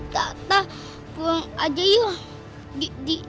gak tau pulang aja yuk